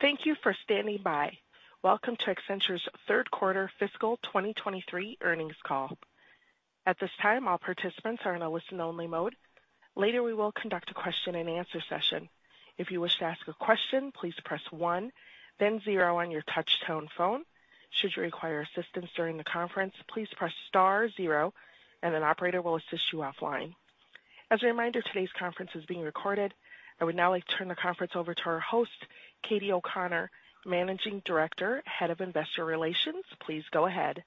Thank you for standing by. Welcome to Accenture's third quarter fiscal 2023 earnings call. At this time, all participants are in a listen-only mode. Later, we will conduct a question-and-answer session. If you wish to ask a question, please press one, then zero on your touchtone phone. Should you require assistance during the conference, please press star zero and an operator will assist you offline. As a reminder, today's conference is being recorded. I would now like to turn the conference over to our host, Katie O'Connell, Managing Director, Head of Investor Relations. Please go ahead.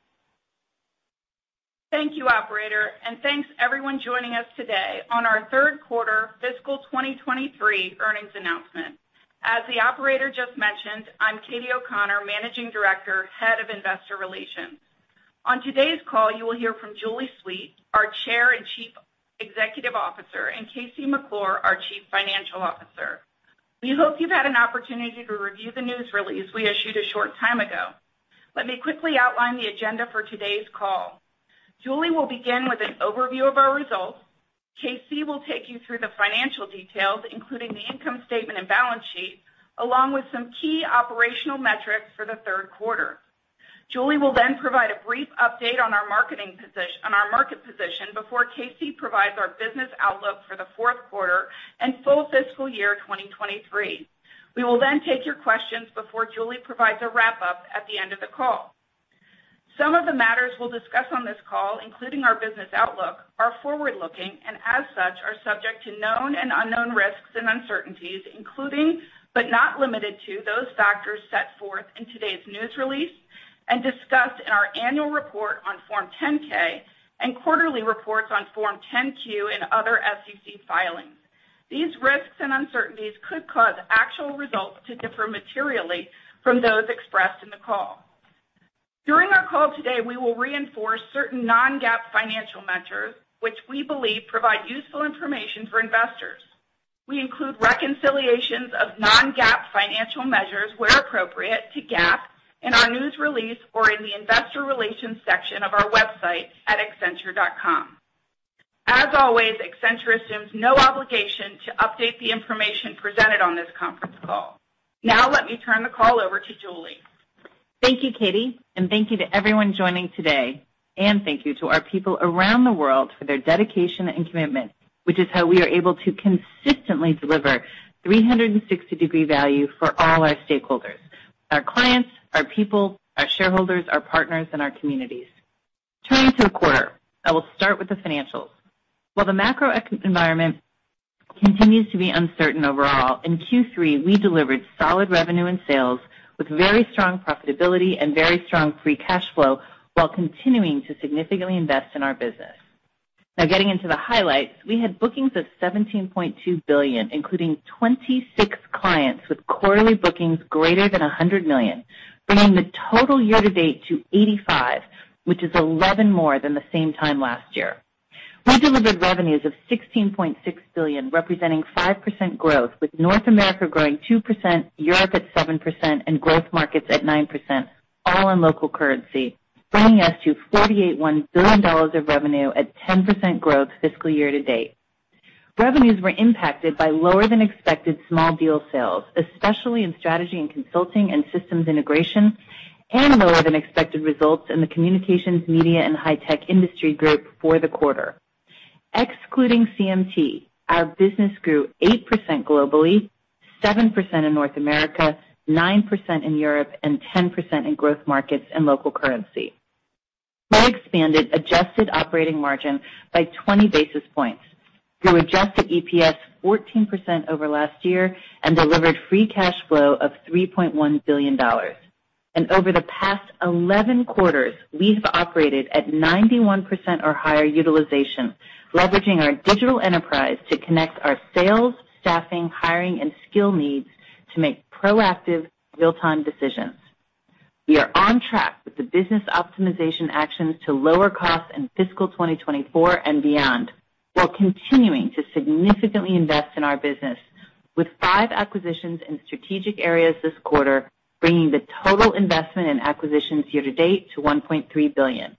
Thank you, operator, and thanks, everyone, joining us today on our 3rd quarter fiscal 2023 earnings announcement. As the operator just mentioned, I'm Katie O'Connell, Managing Director, Head of Investor Relations. On today's call, you will hear from Julie Sweet, our Chair and Chief Executive Officer, and KC McClure, our Chief Financial Officer. We hope you've had an opportunity to review the news release we issued a short time ago. Let me quickly outline the agenda for today's call. Julie will begin with an overview of our results. KC will take you through the financial details, including the income statement and balance sheet, along with some key operational metrics for the 3rd quarter. Julie will then provide a brief update on our market position before KC provides our business outlook for the 4th quarter and full fiscal year 2023. We will then take your questions before Julie provides a wrap-up at the end of the call. Some of the matters we'll discuss on this call, including our business outlook, are forward-looking and as such, are subject to known and unknown risks and uncertainties, including but not limited to, those factors set forth in today's news release and discussed in our annual report on Form 10-K and quarterly reports on Form 10-Q and other SEC filings. These risks and uncertainties could cause actual results to differ materially from those expressed in the call. During our call today, we will reinforce certain non-GAAP financial measures, which we believe provide useful information for investors. We include reconciliations of non-GAAP financial measures, where appropriate, to GAAP in our news release or in the investor relations section of our website at accenture.com. As always, Accenture assumes no obligation to update the information presented on this conference call. Now let me turn the call over to Julie. Thank you, Katie, and thank you to everyone joining today, and thank you to our people around the world for their dedication and commitment, which is how we are able to consistently deliver 360-degree value for all our stakeholders, our clients, our people, our shareholders, our partners, and our communities. Turning to the quarter, I will start with the financials. While the macro environment continues to be uncertain overall, in Q3, we delivered solid revenue and sales with very strong profitability and very strong free cash flow while continuing to significantly invest in our business. Now, getting into the highlights, we had bookings of $17.2 billion, including 26 clients with quarterly bookings greater than $100 million, bringing the total year to date to 85, which is 11 more than the same time last year. We delivered revenues of $16.6 billion, representing 5% growth, with North America growing 2%, Europe at 7%, and growth markets at 9%, all in local currency, bringing us to $48.1 billion of revenue at 10% growth fiscal year-to-date. Revenues were impacted by lower than expected small deal sales, especially in Strategy and Consulting and systems integration, and lower than expected results in the Communications, Media, and High Tech Industry Group for the quarter. Excluding CMT, our business grew 8% globally, 7% in North America, 9% in Europe, and 10% in growth markets in local currency. We expanded adjusted operating margin by 20 basis points, grew adjusted EPS 14% over last year, and delivered free cash flow of $3.1 billion. Over the past 11 quarters, we've operated at 91% or higher utilization, leveraging our digital enterprise to connect our sales, staffing, hiring, and skill needs to make proactive real-time decisions. We are on track with the business optimization actions to lower costs in fiscal 2024 and beyond, while continuing to significantly invest in our business, with 5 acquisitions in strategic areas this quarter, bringing the total investment in acquisitions year to date to $1.3 billion.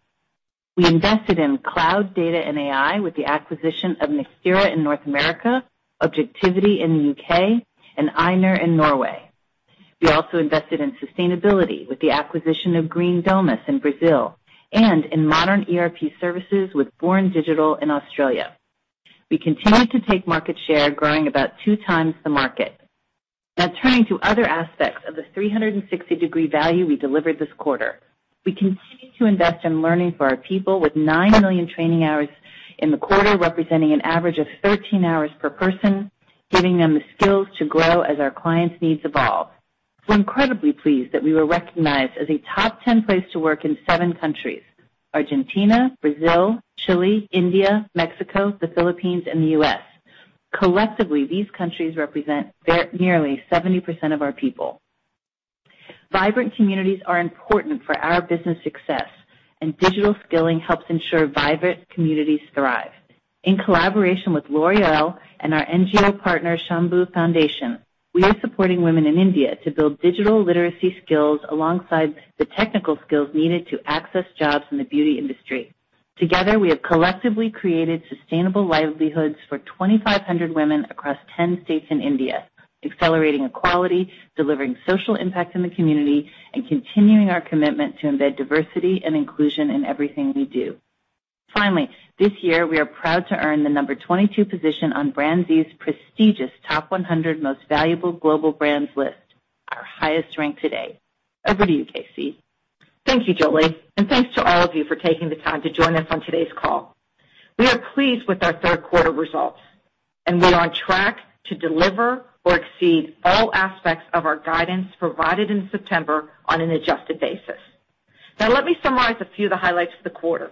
We invested in cloud, data, and AI with the acquisition of Nextira in North America, Objectivity in the UK, and Einr in Norway. We also invested in sustainability with the acquisition of Green Domus in Brazil and in modern ERP services with Bourne Digital in Australia. We continued to take market share, growing about 2 times the market. Turning to other aspects of the 360 degree value we delivered this quarter. We continued to invest in learning for our people with 9 million training hours in the quarter, representing an average of 13 hours per person, giving them the skills to grow as our clients' needs evolve. We're incredibly pleased that we were recognized as a top 10 place to work in seven countries: Argentina, Brazil, Chile, India, Mexico, the Philippines, and the US. Collectively, these countries represent nearly 70% of our people. Vibrant communities are important for our business success, and digital skilling helps ensure vibrant communities thrive. In collaboration with L'Oréal and our NGO partner, Sambhav Foundation, we are supporting women in India to build digital literacy skills alongside the technical skills needed to access jobs in the beauty industry. Together, we have collectively created sustainable livelihoods for 2,500 women across 10 states in India, accelerating equality, delivering social impact in the community, and continuing our commitment to embed diversity and inclusion in everything we do. Finally, this year, we are proud to earn the number 22 position on BrandZ's prestigious BrandZ Top 100 Most Valuable Global Brands list, our highest rank to date. Over to you, KC. Thank you, Julie. Thanks to all of you for taking the time to join us on today's call. We are pleased with our third quarter results, and we're on track to deliver or exceed all aspects of our guidance provided in September on an adjusted basis. Now let me summarize a few of the highlights of the quarter.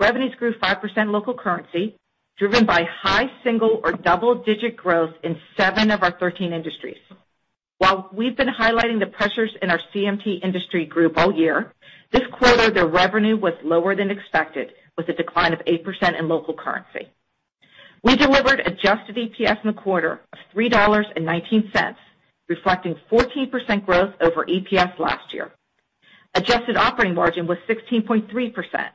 Revenues grew 5% local currency, driven by high single or double-digit growth in 7 of our 13 industries. While we've been highlighting the pressures in our CMT industry group all year, this quarter, their revenue was lower than expected, with a decline of 8% in local currency. We delivered adjusted EPS in the quarter of $3.19, reflecting 14% growth over EPS last year. Adjusted operating margin was 16.3%,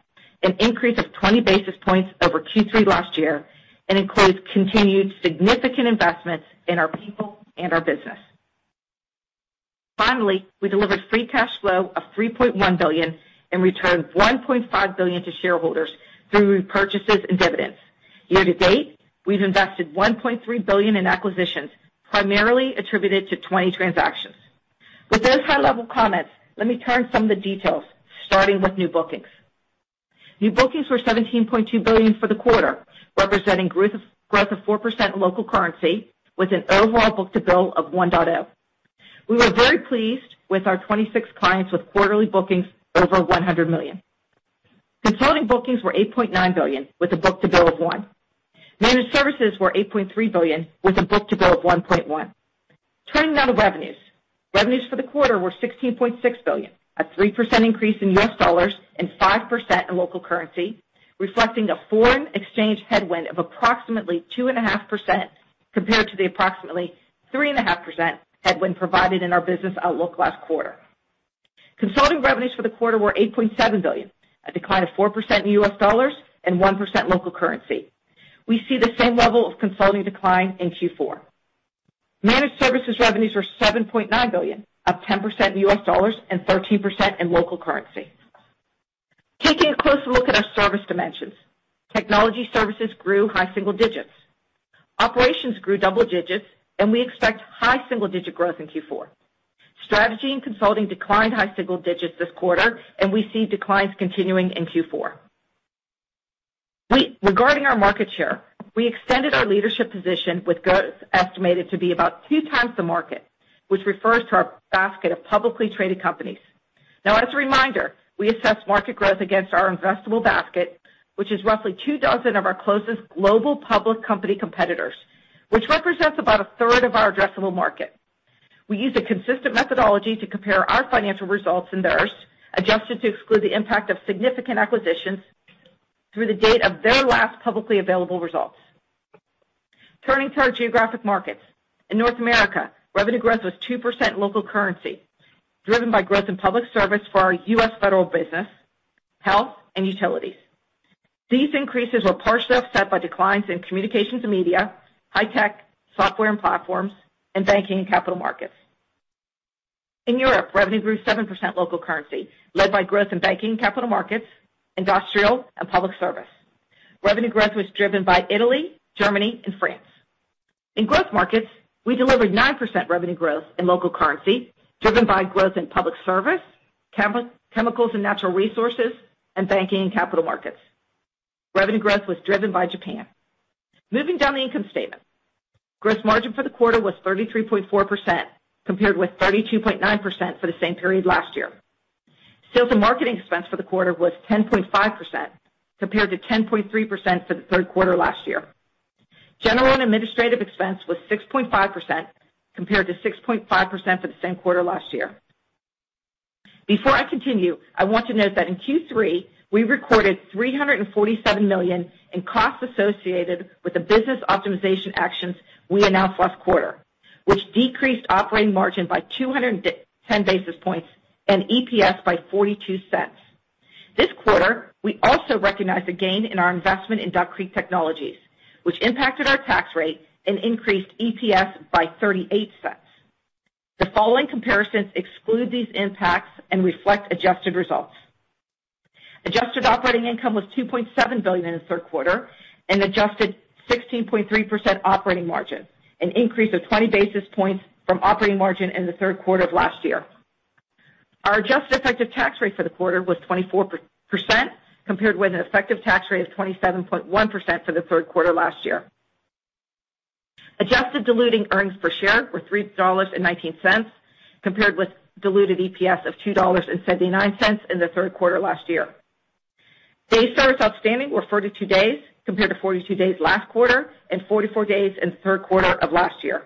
an increase of 20 basis points over Q3 last year, includes continued significant investments in our people and our business. Finally, we delivered free cash flow of $3.1 billion and returned $1.5 billion to shareholders through repurchases and dividends. Year to date, we've invested $1.3 billion in acquisitions, primarily attributed to 20 transactions. With those high-level comments, let me turn to some of the details, starting with new bookings. New bookings were $17.2 billion for the quarter, representing growth of 4% in local currency, with an overall book-to-bill of 1.0. We were very pleased with our 26 clients with quarterly bookings over $100 million. Consulting bookings were $8.9 billion, with a book-to-bill of 1. Managed services were $8.3 billion, with a book-to-bill of 1.1. Turning now to revenues. Revenues for the quarter were $16.6 billion, a 3% increase in US dollars and 5% in local currency, reflecting a foreign exchange headwind of approximately 2.5% compared to the approximately 3.5% headwind provided in our business outlook last quarter. Consulting revenues for the quarter were $8.7 billion, a decline of 4% in US dollars and 1% local currency. We see the same level of consulting decline in Q4. Managed services revenues were $7.9 billion, up 10% in US dollars and 13% in local currency. Taking a closer look at our service dimensions, technology services grew high single digits. Operations grew double digits, and we expect high single-digit growth in Q4. Strategy and consulting declined high single digits this quarter. We see declines continuing in Q4. Regarding our market share, we extended our leadership position with growth estimated to be about two times the market, which refers to our basket of publicly traded companies. As a reminder, we assess market growth against our investable basket, which is roughly two dozen of our closest global public company competitors, which represents about 1/3 of our addressable market. We use a consistent methodology to compare our financial results and theirs, adjusted to exclude the impact of significant acquisitions through the date of their last publicly available results. Turning to our geographic markets. In North America, revenue growth was 2% local currency, driven by growth in public service for our US federal business, health and utilities. These increases were partially offset by declines in communications and media, high tech, software and platforms, and banking and capital markets. In Europe, revenue grew 7% local currency, led by growth in banking and capital markets, industrial and public service. Revenue growth was driven by Italy, Germany, and France. In growth markets, we delivered 9% revenue growth in local currency, driven by growth in public service, chemicals and natural resources, and banking and capital markets. Revenue growth was driven by Japan. Moving down the income statement. Gross margin for the quarter was 33.4%, compared with 32.9% for the same period last year. Sales and marketing expense for the quarter was 10.5%, compared to 10.3% for the third quarter last year. General and administrative expense was 6.5%, compared to 6.5% for the same quarter last year. Before I continue, I want to note that in Q3, we recorded $347 million in costs associated with the business optimization actions we announced last quarter, which decreased operating margin by 210 basis points and EPS by $0.42. This quarter, we also recognized a gain in our investment in Duck Creek Technologies, which impacted our tax rate and increased EPS by $0.38. The following comparisons exclude these impacts and reflect adjusted results. Adjusted operating income was $2.7 billion in the third quarter and adjusted 16.3% operating margin, an increase of 20 basis points from operating margin in the third quarter of last year. Our adjusted effective tax rate for the quarter was 24%, compared with an effective tax rate of 27.1% for the third quarter last year. Adjusted diluting earnings per share were $3.19, compared with diluted EPS of $2.79 in the third quarter last year. Days services outstanding were 42 days, compared to 42 days last quarter and 44 days in the third quarter of last year.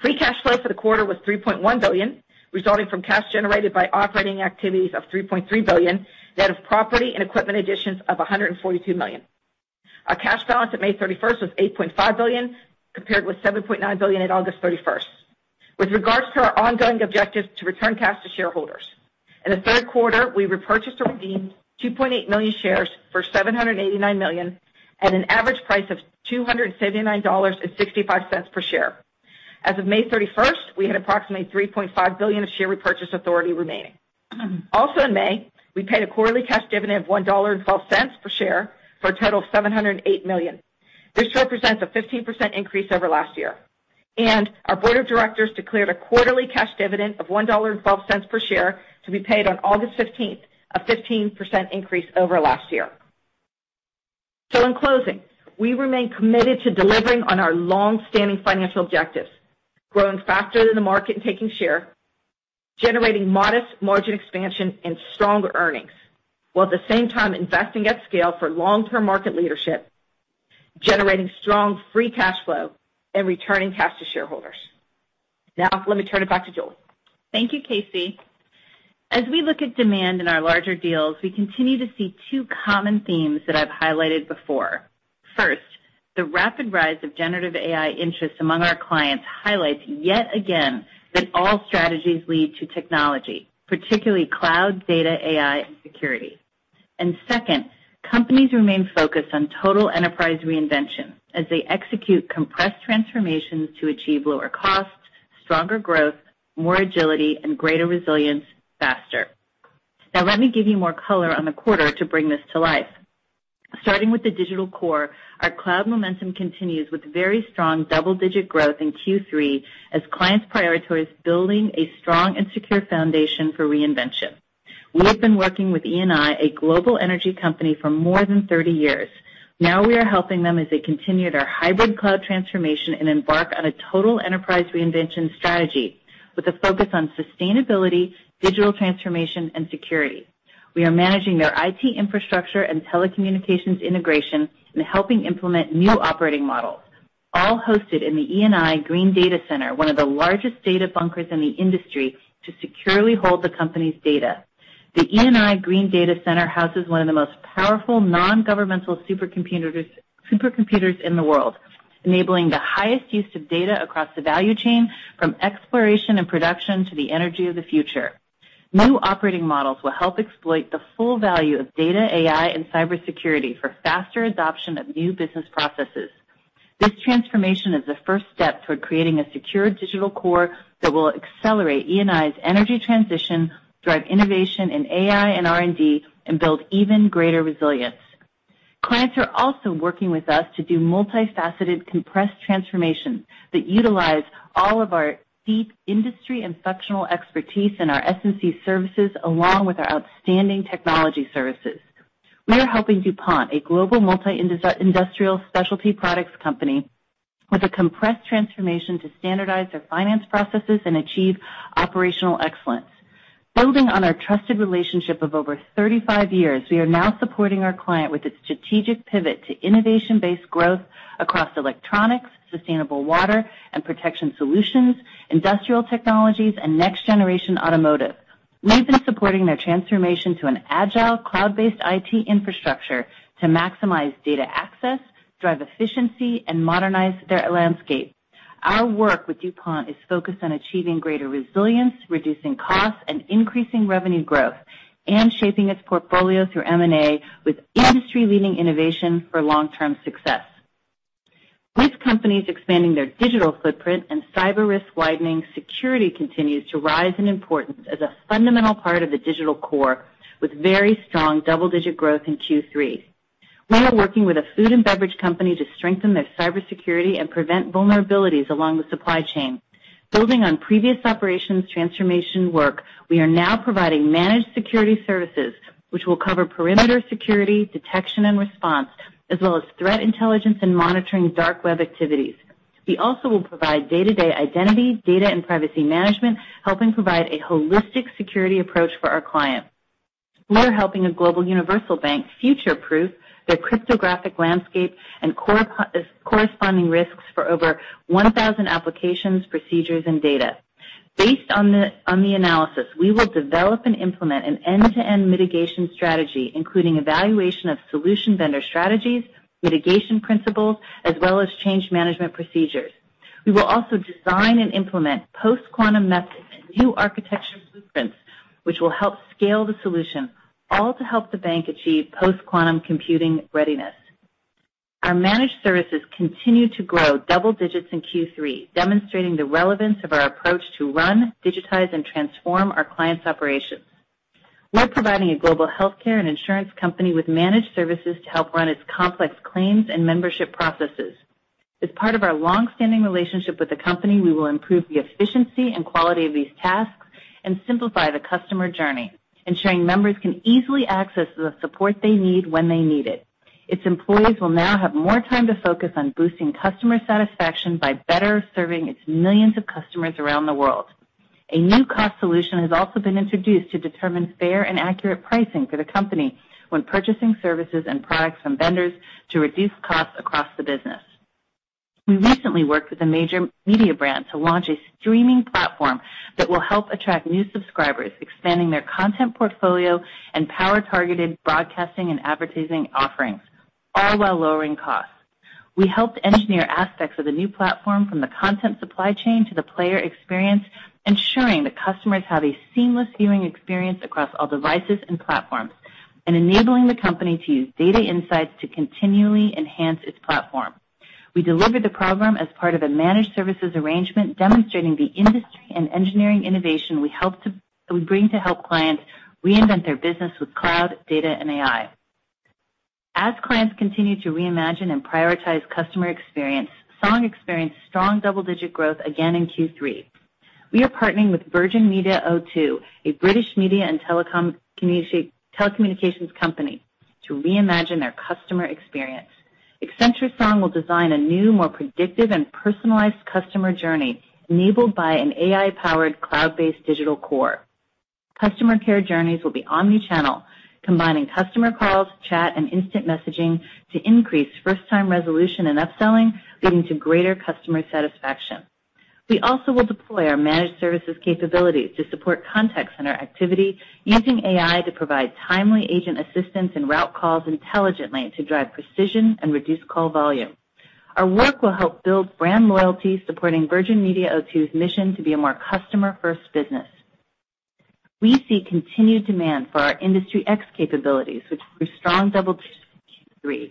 Free cash flow for the quarter was $3.1 billion, resulting from cash generated by operating activities of $3.3 billion, net of property and equipment additions of $142 million. Our cash balance on May 31st was $8.5 billion, compared with $7.9 billion at August 31st. With regards to our ongoing objectives to return cash to shareholders, in the third quarter, we repurchased or redeemed 2.8 million shares for $789 million at an average price of $279.65 per share. As of May 31st, we had approximately $3.5 billion of share repurchase authority remaining. Also in May, we paid a quarterly cash dividend of $1.12 per share for a total of $708 million. This represents a 15% increase over last year. Our board of directors declared a quarterly cash dividend of $1.12 per share to be paid on August 15th, a 15% increase over last year. In closing, we remain committed to delivering on our long-standing financial objectives, growing faster than the market and taking share, generating modest margin expansion and stronger earnings, while at the same time investing at scale for long-term market leadership, generating strong free cash flow, and returning cash to shareholders. Let me turn it back to Julie. Thank you, KC. As we look at demand in our larger deals, we continue to see two common themes that I've highlighted before. First, the rapid rise of generative AI interest among our clients highlights yet again that all strategies lead to technology, particularly cloud, data, AI, and security. Second, companies remain focused on total enterprise reinvention as they execute compressed transformations to achieve lower costs, stronger growth, more agility, and greater resilience faster. Now, let me give you more color on the quarter to bring this to life. Starting with the digital core, our cloud momentum continues with very strong double-digit growth in Q3 as clients prioritize building a strong and secure foundation for reinvention. We have been working with Eni, a global energy company, for more than 30 years. Now we are helping them as they continue their hybrid cloud transformation and embark on a total enterprise reinvention strategy with a focus on sustainability, digital transformation, and security. We are managing their IT infrastructure and telecommunications integration and helping implement new operating models, all hosted in the Eni Green Data Center, one of the largest data bunkers in the industry, to securely hold the company's data. The Eni Green Data Center houses one of the most powerful non-governmental supercomputers in the world, enabling the highest use of data across the value chain, from exploration and production to the energy of the future. New operating models will help exploit the full value of data, AI, and cybersecurity for faster adoption of new business processes. This transformation is the first step toward creating a secure digital core that will accelerate Eni's energy transition, drive innovation in AI and R&D, and build even greater resilience. Clients are also working with us to do multifaceted, compressed transformations that utilize all of our deep industry and functional expertise in our S&C services, along with our outstanding technology services. We are helping DuPont, a global multi-industrial specialty products company, with a compressed transformation to standardize their finance processes and achieve operational excellence. Building on our trusted relationship of over 35 years, we are now supporting our client with its strategic pivot to innovation-based growth across electronics, sustainable water and protection solutions, industrial technologies, and next-generation automotive. We've been supporting their transformation to an agile, cloud-based IT infrastructure to maximize data access, drive efficiency, and modernize their landscape. Our work with DuPont is focused on achieving greater resilience, reducing costs, and increasing revenue growth, and shaping its portfolio through M&A with industry-leading innovation for long-term success. With companies expanding their digital footprint and cyber risk widening, security continues to rise in importance as a fundamental part of the digital core, with very strong double-digit growth in Q3. We are working with a food and beverage company to strengthen their cybersecurity and prevent vulnerabilities along the supply chain. Building on previous operations transformation work, we are now providing managed security services, which will cover perimeter security, detection, and response, as well as threat intelligence and monitoring dark web activities. We also will provide day-to-day identity, data, and privacy management, helping provide a holistic security approach for our clients. We are helping a global universal bank future-proof their cryptographic landscape and corresponding risks for over 1,000 applications, procedures, and data. Based on the analysis, we will develop and implement an end-to-end mitigation strategy, including evaluation of solution vendor strategies, mitigation principles, as well as change management procedures. We will also design and implement post-quantum methods and new architecture blueprints, which will help scale the solution, all to help the bank achieve post-quantum computing readiness. Our managed services continued to grow double digits in Q3, demonstrating the relevance of our approach to run, digitize, and transform our clients' operations. We're providing a global healthcare and insurance company with managed services to help run its complex claims and membership processes. As part of our long-standing relationship with the company, we will improve the efficiency and quality of these tasks and simplify the customer journey, ensuring members can easily access the support they need when they need it. Its employees will now have more time to focus on boosting customer satisfaction by better serving its millions of customers around the world. A new cost solution has also been introduced to determine fair and accurate pricing for the company when purchasing services and products from vendors to reduce costs across the business. We recently worked with a major media brand to launch a streaming platform that will help attract new subscribers, expanding their content portfolio and power-targeted broadcasting and advertising offerings, all while lowering costs. We helped engineer aspects of the new platform from the content supply chain to the player experience, ensuring that customers have a seamless viewing experience across all devices and platforms, and enabling the company to use data insights to continually enhance its platform. We delivered the program as part of a managed services arrangement, demonstrating the industry and engineering innovation we bring to help clients reinvent their business with cloud, data, and AI. As clients continue to reimagine and prioritize customer experience, Song experienced strong double-digit growth again in Q3. We are partnering with Virgin Media O2, a British media and telecommunications company, to reimagine their customer experience. Accenture Song will design a new, more predictive and personalized customer journey, enabled by an AI-powered, cloud-based digital core. Customer care journeys will be omni-channel, combining customer calls, chat, and instant messaging to increase first-time resolution and upselling, leading to greater customer satisfaction. We also will deploy our managed services capabilities to support contact center activity, using AI to provide timely agent assistance and route calls intelligently to drive precision and reduce call volume. Our work will help build brand loyalty, supporting Virgin Media O2's mission to be a more customer-first business. We see continued demand for our Industry X capabilities, which were strong double digits in Q3.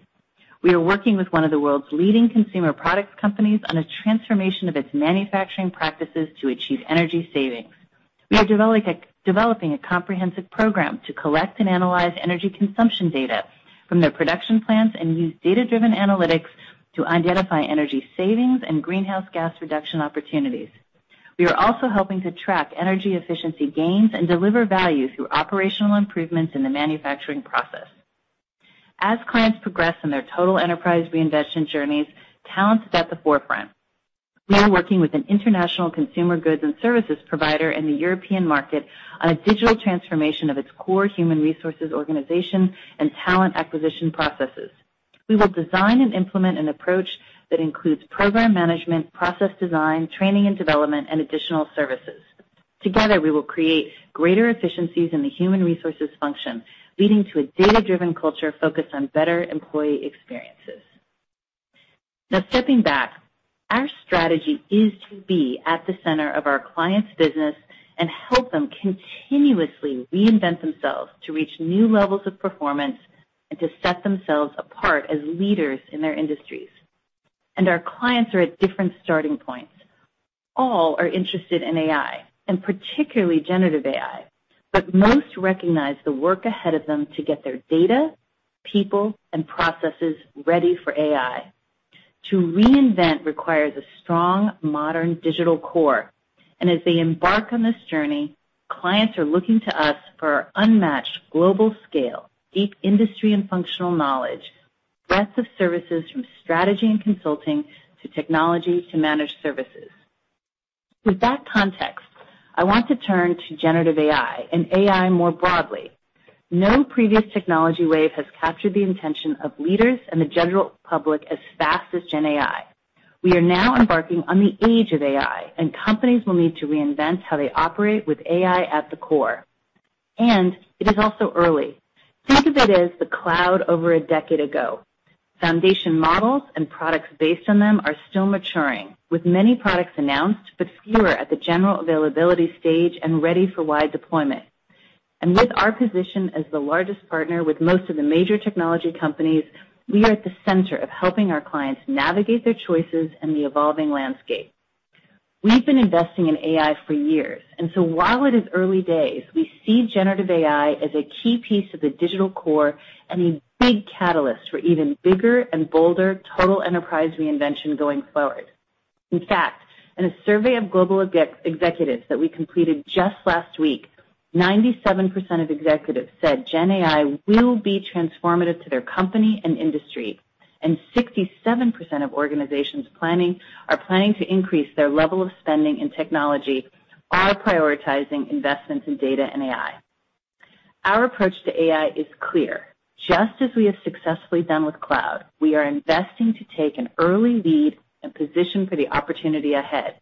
We are working with one of the world's leading consumer products companies on a transformation of its manufacturing practices to achieve energy savings. We are developing a comprehensive program to collect and analyze energy consumption data from their production plants and use data-driven analytics to identify energy savings and greenhouse gas reduction opportunities. We are also helping to track energy efficiency gains and deliver value through operational improvements in the manufacturing process. As clients progress in their total enterprise reinvention journeys, talent is at the forefront. We are working with an international consumer goods and services provider in the European market on a digital transformation of its core human resources, organization, and talent acquisition processes. We will design and implement an approach that includes program management, process design, training and development, and additional services. Together, we will create greater efficiencies in the human resources function, leading to a data-driven culture focused on better employee experiences. Stepping back, our strategy is to be at the center of our clients' business and help them continuously reinvent themselves to reach new levels of performance and to set themselves apart as leaders in their industries. Our clients are at different starting points. All are interested in AI, and particularly generative AI, but most recognize the work ahead of them to get their data, people, and processes ready for AI. To reinvent requires a strong, modern digital core, and as they embark on this journey, clients are looking to us for our unmatched global scale, deep industry and functional knowledge, breadth of services from strategy and consulting to technology to managed services. With that context, I want to turn to generative AI and AI more broadly. No previous technology wave has captured the intention of leaders and the general public as fast as gen AI. We are now embarking on the age of AI, companies will need to reinvent how they operate with AI at the core. It is also early. Think of it as the cloud over a decade ago. Foundation models and products based on them are still maturing, with many products announced, but fewer at the general availability stage and ready for wide deployment. With our position as the largest partner with most of the major technology companies, we are at the center of helping our clients navigate their choices and the evolving landscape. We've been investing in AI for years, and so while it is early days, we see generative AI as a key piece of the digital core and a big catalyst for even bigger and bolder total enterprise reinvention going forward. In fact, in a survey of global executives that we completed just last week, 97% of executives said gen AI will be transformative to their company and industry, and 67% of organizations are planning to increase their level of spending in technology are prioritizing investments in data and AI. Our approach to AI is clear. Just as we have successfully done with cloud, we are investing to take an early lead and position for the opportunity ahead.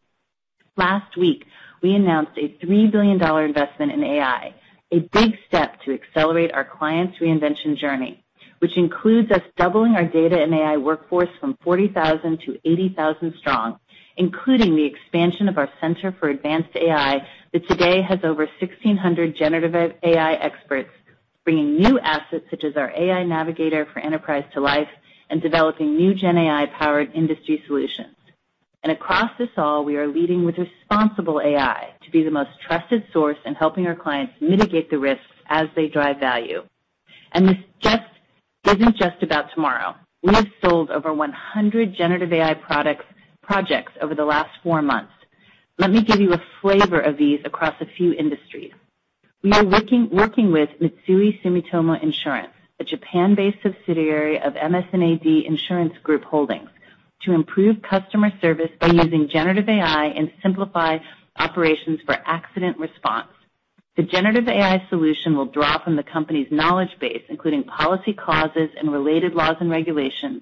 Last week, we announced a $3 billion investment in AI, a big step to accelerate our clients' reinvention journey, which includes us doubling our data and AI workforce from 40,000-80,000 strong, including the expansion of our Center for Advanced AI, that today has over 1,600 generative AI experts, bringing new assets such as our AI Navigator for Enterprise to life and developing new gen AI-powered industry solutions. Across this all, we are leading with responsible AI to be the most trusted source in helping our clients mitigate the risks as they drive value. This isn't just about tomorrow. We have sold over 100 generative AI projects over the last four months. Let me give you a flavor of these across a few industries. We are working with Mitsui Sumitomo Insurance, a Japan-based subsidiary of MS&AD Insurance Group Holdings, to improve customer service by using generative AI and simplify operations for accident response. The generative AI solution will drop from the company's knowledge base, including policy clauses and related laws and regulations,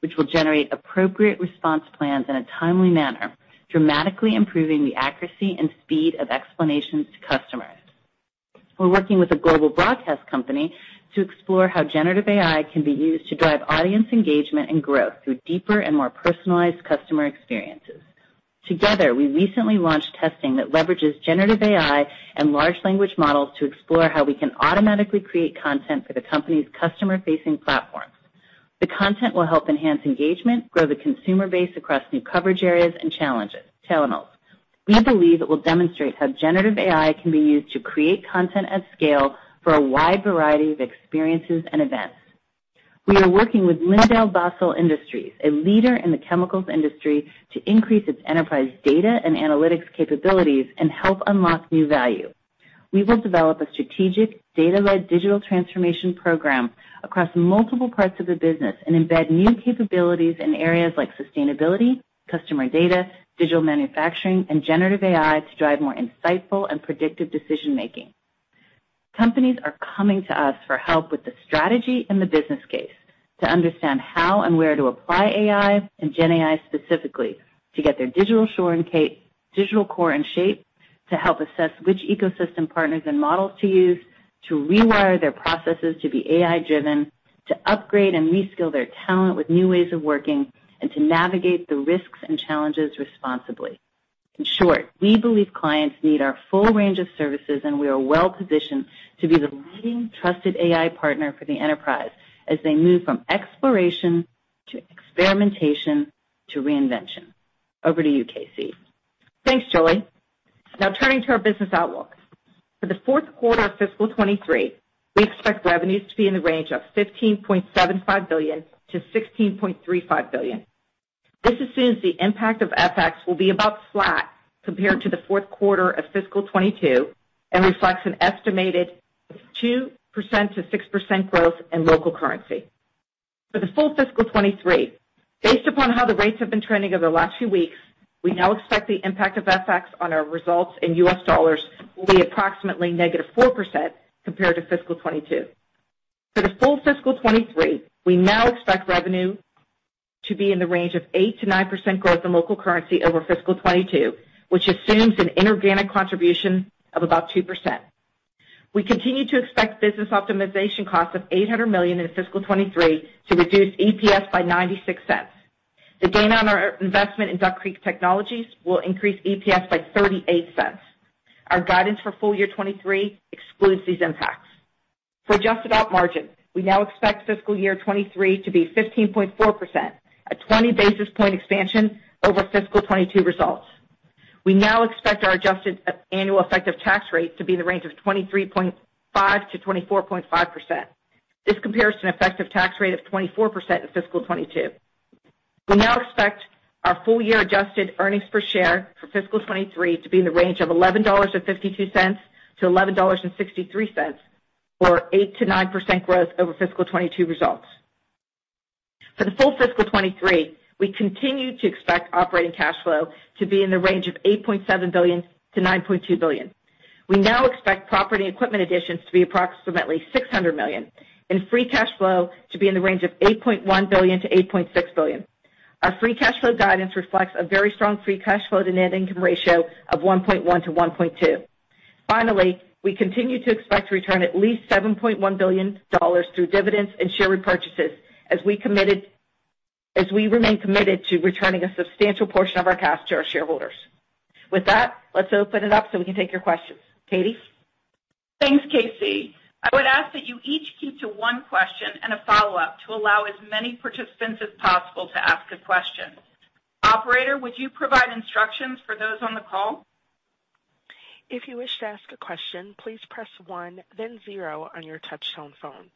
which will generate appropriate response plans in a timely manner, dramatically improving the accuracy and speed of explanations to customers. We're working with a global broadcast company to explore how generative AI can be used to drive audience engagement and growth through deeper and more personalized customer experiences. Together, we recently launched testing that leverages generative AI and large language models to explore how we can automatically create content for the company's customer-facing platforms. The content will help enhance engagement, grow the consumer base across new coverage areas, and channels. We believe it will demonstrate how generative AI can be used to create content at scale for a wide variety of experiences and events. We are working with LyondellBasell Industries, a leader in the chemicals industry, to increase its enterprise data and analytics capabilities and help unlock new value. We will develop a strategic, data-led digital transformation program across multiple parts of the business and embed new capabilities in areas like sustainability, customer data, digital manufacturing, and generative AI to drive more insightful and predictive decision-making. Companies are coming to us for help with the strategy and the business case to understand how and where to apply AI and gen AI specifically, to get their digital core in shape, to help assess which ecosystem partners and models to use, to rewire their processes to be AI-driven, to upgrade and reskill their talent with new ways of working, and to navigate the risks and challenges responsibly. In short, we believe clients need our full range of services, and we are well-positioned to be the leading trusted AI partner for the enterprise as they move from exploration to experimentation to reinvention. Over to you, KC. Thanks, Julie. Turning to our business outlook. For the fourth quarter of fiscal 2023, we expect revenues to be in the range of $15.75 billion-$16.35 billion. This assumes the impact of FX will be about flat compared to the fourth quarter of fiscal 2022 and reflects an estimated 2%-6% growth in local currency. For the full fiscal 2023, based upon how the rates have been trending over the last few weeks, we now expect the impact of FX on our results in U.S. dollars will be approximately -4% compared to fiscal 2022. For the full fiscal 2023, we now expect revenue to be in the range of 8%-9% growth in local currency over fiscal 2022, which assumes an inorganic contribution of about 2%. We continue to expect business optimization costs of $800 million in fiscal 2023 to reduce EPS by $0.96. The gain on our investment in Duck Creek Technologies will increase EPS by $0.38. Our guidance for full year 2023 excludes these impacts. For adjusted operating margin, we now expect fiscal year 2023 to be 15.4%, a 20 basis point expansion over fiscal 2022 results. We now expect our adjusted annual effective tax rate to be in the range of 23.5%-24.5%. This compares to an effective tax rate of 24% in fiscal 2022. We now expect our full year adjusted earnings per share for fiscal 2023 to be in the range of $11.52-$11.63, or 8%-9% growth over fiscal 2022 results. For the full fiscal 2023, we continue to expect operating cash flow to be in the range of $8.7 billion-$9.2 billion. We now expect property equipment additions to be approximately $600 million. Free cash flow to be in the range of $8.1 billion-$8.6 billion. Our free cash flow guidance reflects a very strong free cash flow to net income ratio of 1.1-1.2. Finally, we continue to expect to return at least $7.1 billion through dividends and share repurchases, as we remain committed to returning a substantial portion of our cash to our shareholders. With that, let's open it up so we can take your questions. Katie? Thanks, KC. I would ask that you each keep to one question and a follow-up to allow as many participants as possible to ask a question. Operator, would you provide instructions for those on the call? If you wish to ask a question, please press one, then zero on your touchtone phone.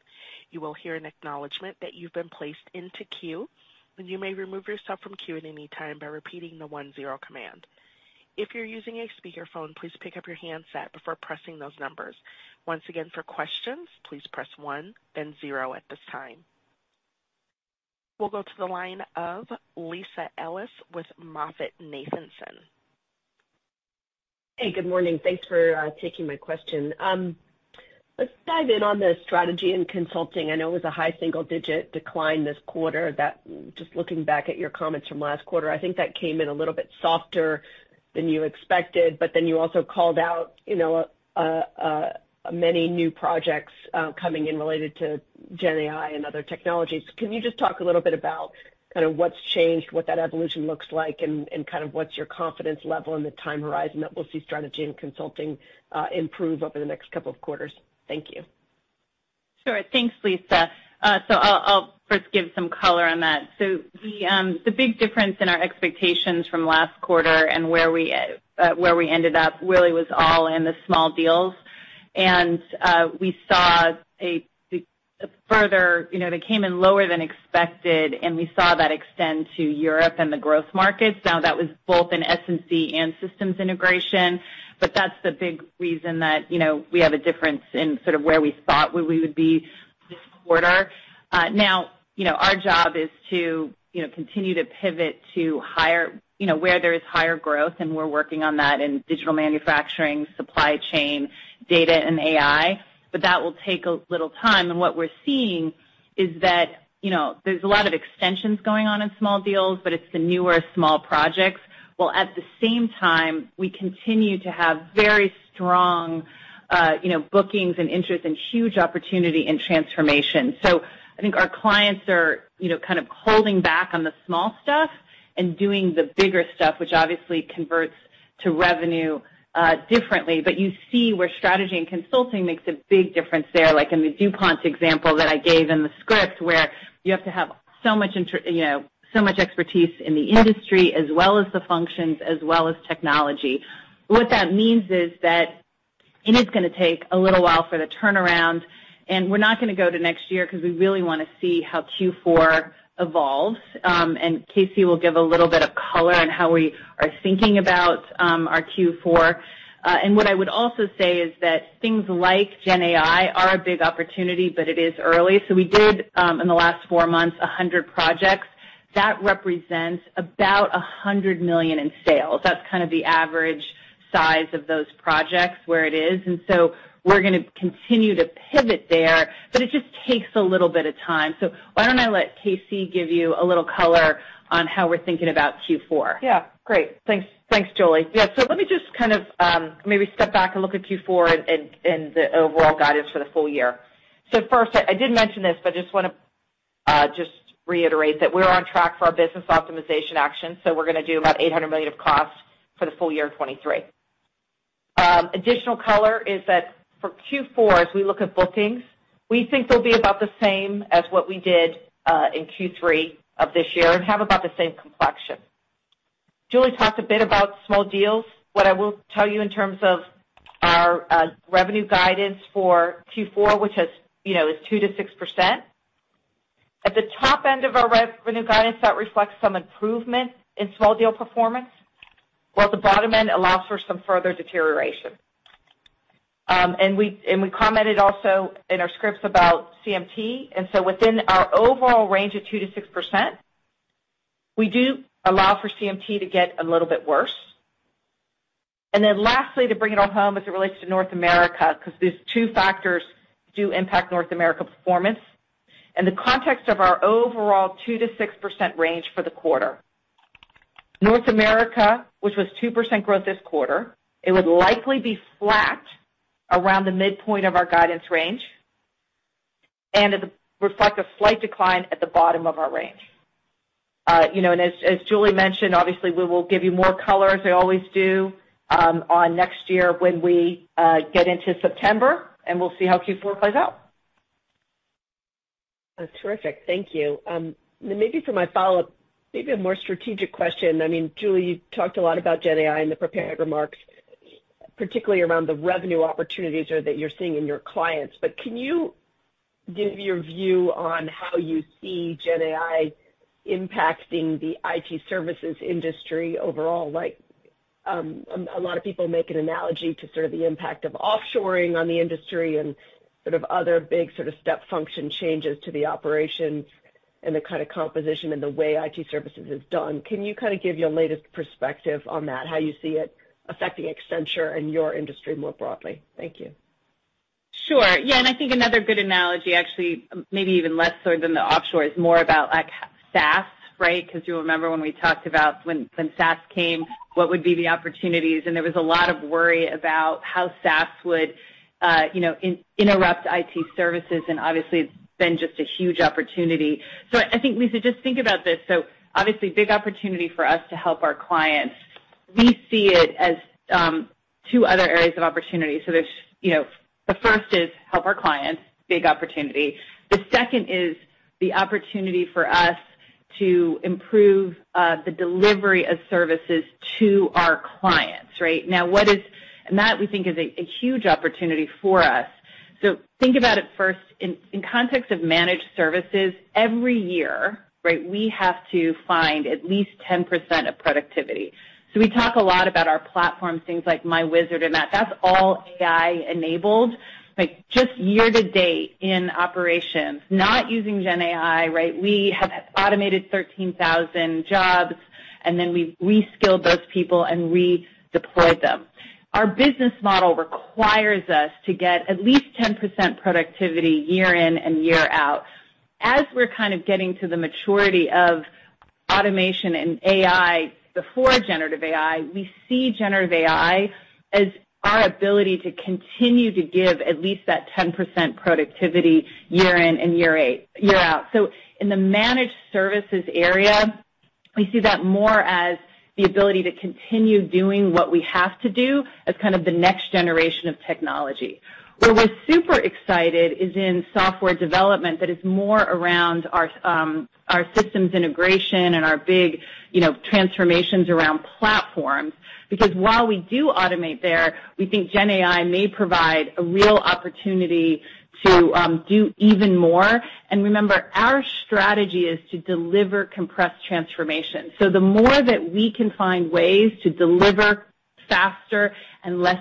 You will hear an acknowledgment that you've been placed into queue, and you may remove yourself from queue at any time by repeating the one-zero command. If you're using a speakerphone, please pick up your handset before pressing those numbers. Once again, for questions, please press one then zero at this time. We'll go to the line of Lisa Ellis with MoffettNathanson. Hey, good morning. Thanks for taking my question. Let's dive in on the Strategy and Consulting. I know it was a high single-digit decline this quarter. Just looking back at your comments from last quarter, I think that came in a little bit softer than you expected, you also called out, you know, many new projects coming in related to gen AI and other technologies. Can you just talk a little bit about kind of what's changed, what that evolution looks like, and kind of what's your confidence level and the time horizon that we'll see Strategy and Consulting improve over the next couple of quarters? Thank you. Sure. Thanks, Lisa. I'll first give some color on that. The big difference in our expectations from last quarter and where we ended up really was all in the small deals. We saw, you know, they came in lower than expected, and we saw that extend to Europe and the growth markets. That was both in S&C and systems integration, that's the big reason that, you know, we have a difference in sort of where we thought where we would be.... quarter. Now, you know, our job is to, you know, continue to pivot to higher, you know, where there is higher growth, and we're working on that in digital manufacturing, supply chain, data, and AI, but that will take a little time. What we're seeing is that, you know, there's a lot of extensions going on in small deals, but it's the newer small projects, while at the same time, we continue to have very strong, you know, bookings and interest and huge opportunity in transformation. I think our clients are, you know, kind of holding back on the small stuff and doing the bigger stuff, which obviously converts to revenue differently. You see where strategy and consulting makes a big difference there, like in the DuPont example that I gave in the script, where you have to have so much you know, expertise in the industry as well as the functions, as well as technology. That means is that it is gonna take a little while for the turnaround, and we're not gonna go to next year 'cause we really wanna see how Q4 evolves. KC will give a little bit of color on how we are thinking about our Q4. What I would also say is that things like gen AI are a big opportunity, but it is early. We did in the last four months, 100 projects. That represents about $100 million in sales. That's kind of the average size of those projects, where it is. We're gonna continue to pivot there, but it just takes a little bit of time. Why don't I let KC give you a little color on how we're thinking about Q4? Great. Thanks. Thanks, Julie. Let me just kind of maybe step back and look at Q4 and the overall guidance for the full year. First, I did mention this, but I just wanna just reiterate that we're on track for our business optimization action, so we're gonna do about $800 million of costs for the full year of 2023. Additional color is that for Q4, as we look at bookings, we think they'll be about the same as what we did in Q3 of this year and have about the same complexion. Julie talked a bit about small deals. What I will tell you in terms of our revenue guidance for Q4, which has, you know, is 2%-6%. At the top end of our revenue guidance, that reflects some improvement in small deal performance, while the bottom end allows for some further deterioration. We commented also in our scripts about CMT. Within our overall range of 2%-6%, we do allow for CMT to get a little bit worse. Lastly, to bring it all home as it relates to North America, 'cause these two factors do impact North America performance. In the context of our overall 2%-6% range for the quarter, North America, which was 2% growth this quarter, it would likely be flat around the midpoint of our guidance range and reflect a slight decline at the bottom of our range. You know, as Julie mentioned, obviously, we will give you more color, as we always do, on next year when we get into September, and we'll see how Q4 plays out. That's terrific. Thank you. maybe for my follow-up, maybe a more strategic question. I mean, Julie, you talked a lot about gen AI in the prepared remarks, particularly around the revenue opportunities that you're seeing in your clients. Can you give your view on how you see gen AI impacting the IT services industry overall? Like, a lot of people make an analogy to sort of the impact of offshoring on the industry and sort of other big sort of step function changes to the operations and the kind of composition and the way IT services is done. Can you kind of give your latest perspective on that, how you see it affecting Accenture and your industry more broadly? Thank you. Sure. I think another good analogy, actually, maybe even less so than the offshore, is more about like SaaS, right? Cause you'll remember when we talked about when SaaS came, what would be the opportunities, and there was a lot of worry about how SaaS would, you know, interrupt IT services, and obviously, it's been just a huge opportunity. I think, Lisa, just think about this. Obviously, big opportunity for us to help our clients. We see it as two other areas of opportunity. There's, you know, the first is help our clients, big opportunity. The second is the opportunity for us to improve the delivery of services to our clients, right? Now, what is... That, we think, is a huge opportunity for us. Think about it first in context of managed services, every year, right, we have to find at least 10% of productivity. We talk a lot about our platform, things like myWizard and that. That's all AI-enabled. Like, just year to date in operations, not using gen AI, right, we have automated 13,000 jobs, and then we re-skilled those people and redeployed them. Our business model requires us to get at least 10% productivity year in and year out. As we're kind of getting to the maturity of automation and AI before generative AI, we see generative AI as our ability to continue to give at least that 10% productivity year in and year out. In the managed services area, we see that more as the ability to continue doing what we have to do as kind of the next generation of technology. Where we're super excited is in software development, that is more around our systems integration and our big, you know, transformations around platforms. While we do automate there, we think gen AI may provide a real opportunity to do even more. Remember, our strategy is to deliver compressed transformation. The more that we can find ways to deliver faster and less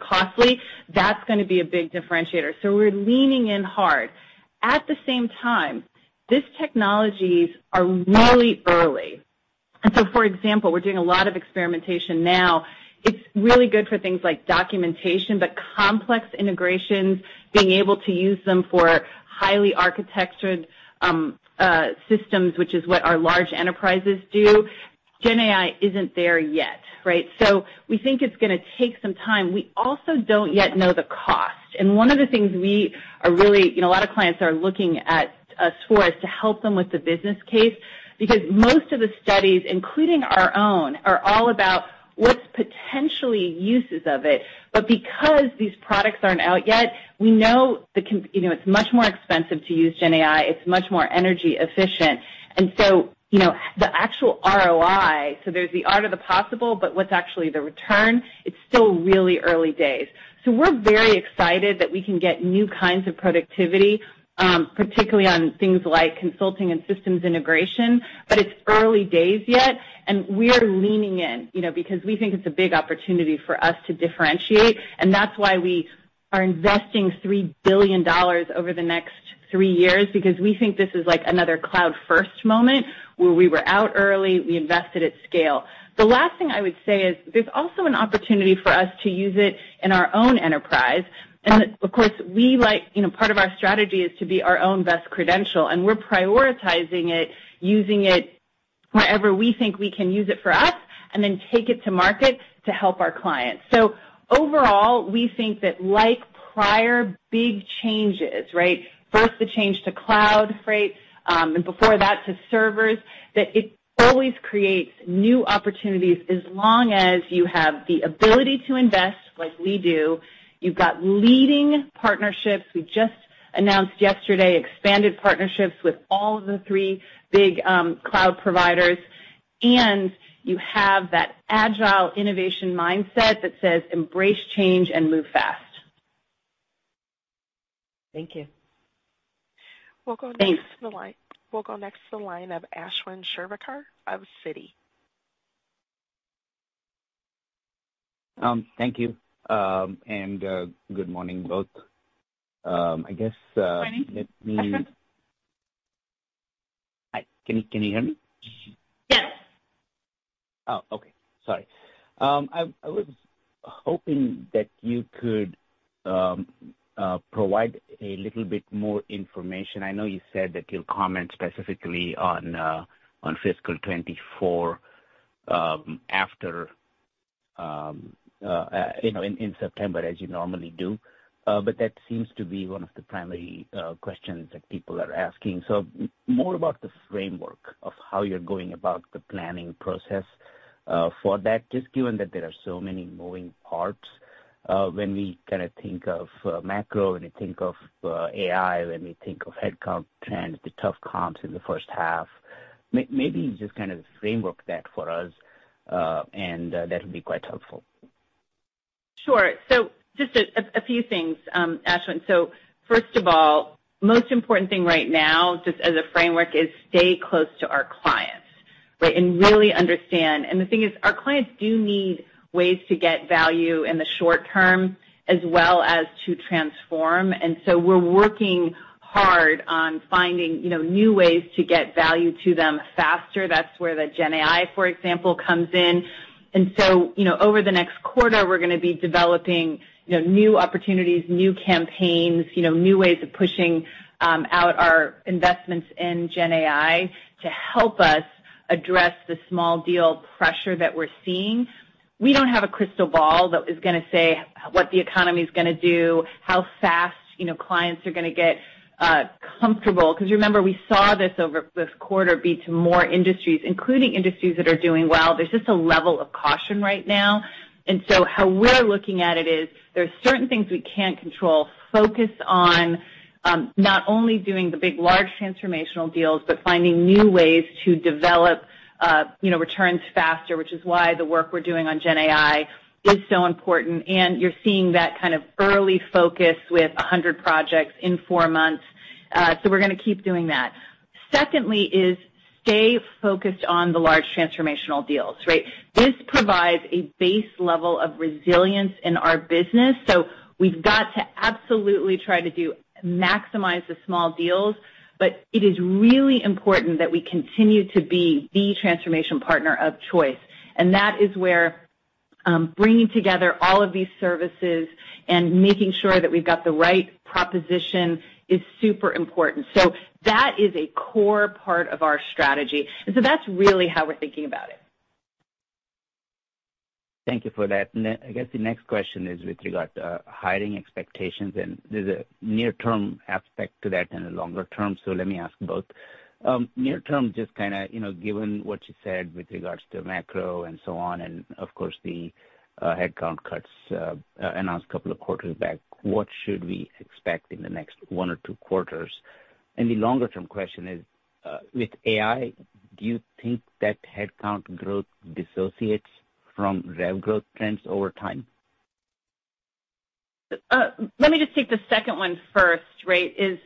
costly, that's gonna be a big differentiator. We're leaning in hard. At the same time, these technologies are really early. For example, we're doing a lot of experimentation now. It's really good for things like documentation, but complex integrations, being able to use them for highly architectured systems, which is what our large enterprises do, gen AI isn't there yet, right? We think it's gonna take some time. We also don't yet know the cost, and one of the things we are really, you know, a lot of clients are looking at us for, is to help them with the business case. Because most of the studies, including our own, are all about what's potentially uses of it. Because these products aren't out yet, we know You know, it's much more expensive to use gen AI, it's much more energy efficient, and so, you know, the actual ROI. There's the art of the possible, but what's actually the return? It's still really early days. We're very excited that we can get new kinds of productivity, particularly on things like consulting and systems integration. It's early days yet, and we are leaning in, you know, because we think it's a big opportunity for us to differentiate. That's why we are investing $3 billion over the next 3 years, because we think this is like another cloud-first moment, where we were out early, we invested at scale. The last thing I would say is, there's also an opportunity for us to use it in our own enterprise. Of course, we like. You know, part of our strategy is to be our own best credential, and we're prioritizing it, using it wherever we think we can use it for us, and then take it to market to help our clients. Overall, we think that like prior big changes, right? First, the change to cloud, right, and before that, to servers, that it always creates new opportunities as long as you have the ability to invest like we do. You've got leading partnerships. We just announced yesterday, expanded partnerships with all of the three big cloud providers, and you have that agile innovation mindset that says embrace change and move fast. Thank you. We'll go next. Thanks. We'll go next to the line of Ashwin Shirvaikar of Citi. thank you, and good morning, both. Morning. Hi, can you hear me? Yes. Okay. Sorry. I was hoping that you could provide a little bit more information. I know you said that you'll comment specifically on fiscal 24 after, you know, in September, as you normally do. That seems to be one of the primary questions that people are asking. More about the framework of how you're going about the planning process for that, just given that there are so many moving parts when we kind of think of macro, when we think of AI, when we think of headcount trends, the tough comps in the first half. Maybe just kind of framework that for us, that'll be quite helpful. Sure. Just a few things, Ashwin Shirvaikar. First of all, most important thing right now, just as a framework, is stay close to our clients, right? Really understand. The thing is, our clients do need ways to get value in the short term as well as to transform, we're working hard on finding, you know, new ways to get value to them faster. That's where the gen AI, for example, comes in. Over the next quarter, we're going to be developing, you know, new opportunities, new campaigns, you know, new ways of pushing out our investments in gen AI to help us address the small deal pressure that we're seeing. We don't have a crystal ball that is going to say what the economy's going to do, how fast, you know, clients are going to get comfortable. Remember, we saw this over this quarter be to more industries, including industries that are doing well. There's just a level of caution right now. How we're looking at it is, there are certain things we can't control. Focus on, not only doing the big, large transformational deals, but finding new ways to develop, you know, returns faster, which is why the work we're doing on gen AI is so important, and you're seeing that kind of early focus with 100 projects in 4 months. We're gonna keep doing that. Secondly is stay focused on the large transformational deals, right? This provides a base level of resilience in our business, so we've got to absolutely try to maximize the small deals, but it is really important that we continue to be the transformation partner of choice. That is where, bringing together all of these services and making sure that we've got the right proposition is super important. That is a core part of our strategy, and so that's really how we're thinking about it. Thank you for that. I guess the next question is with regard to hiring expectations, and there's a near-term aspect to that and a longer term, so let me ask both. Near term, just kinda, you know, given what you said with regards to macro and so on, and of course, the headcount cuts announced a couple of quarters back, what should we expect in the next 1 or 2 quarters? The longer term question is with AI, do you think that headcount growth dissociates from rev growth trends over time? Let me just take the second one first, right? Is,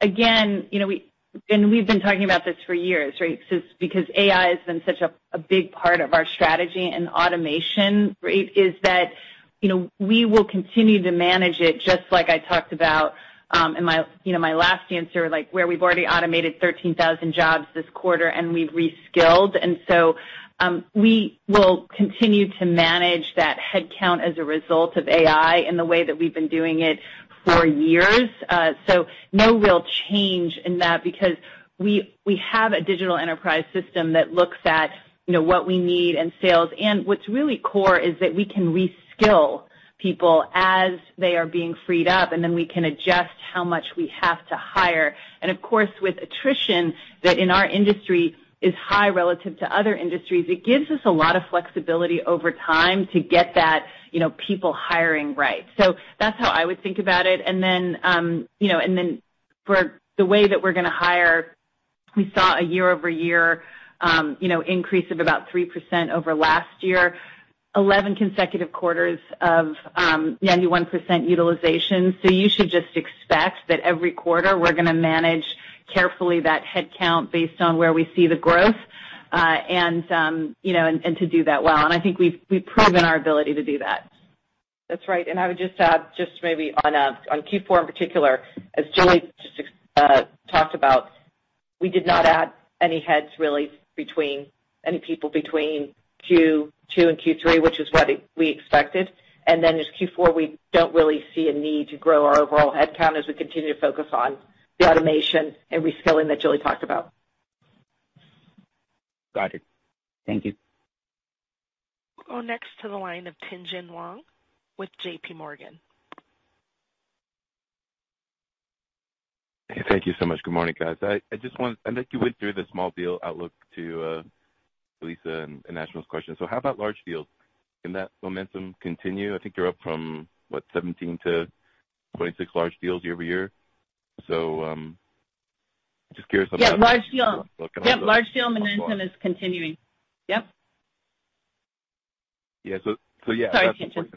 again, you know, we've been talking about this for years, right? Since because AI has been such a big part of our strategy, and automation, right, is that, you know, we will continue to manage it, just like I talked about, in my, you know, my last answer, like, where we've already automated 13,000 jobs this quarter, and we've reskilled. So, we will continue to manage that headcount as a result of AI in the way that we've been doing it for years. So no real change in that because we have a digital enterprise system that looks at, you know, what we need in sales. What's really core is that we can reskill people as they are being freed up, and then we can adjust how much we have to hire. Of course, with attrition, that in our industry is high relative to other industries, it gives us a lot of flexibility over time to get that, you know, people hiring right. That's how I would think about it. Then, you know, and then for the way that we're gonna hire, we saw a year-over-year, you know, increase of about 3% over last year, 11 consecutive quarters of, 91% utilization. You should just expect that every quarter we're gonna manage carefully that headcount based on where we see the growth, and, you know, and to do that well. I think we've proven our ability to do that. That's right. I would just add, just maybe on Q4 in particular, as Julie talked about, we did not add any heads really between, any people between Q2 and Q3, which is what we expected. Then as Q4, we don't really see a need to grow our overall headcount as we continue to focus on the automation and reskilling that Julie talked about. Got it. Thank you. We'll go next to the line of Tien-Tsin Huang with J.P. Morgan. Hey, thank thank you so much. Good morning, guys. I know you went through the small deal outlook to Lisa and National's question. How about large deals? Can that momentum continue? I think you're up from, what, 17T26 large deals year-over-year. Just curious about. Yeah, large deal. Yep, large deal momentum is continuing. Yep. Yeah. Sorry, Tien-Tsin.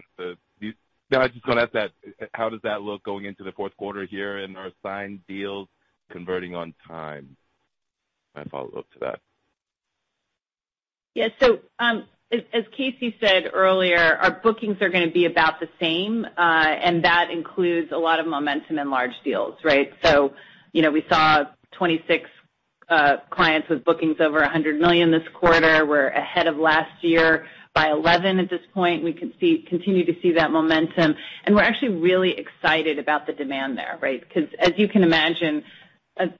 No, I was just going to ask that, how does that look going into the fourth quarter here, and are signed deals converting on time? My follow-up to that. Yeah. as KC said earlier, our bookings are going to be about the same, and that includes a lot of momentum in large deals, right? You know, we saw 26 clients with bookings over $100 million this quarter. We're ahead of last year by 11 at this point. We continue to see that momentum, and we're actually really excited about the demand there, right? Because as you can imagine,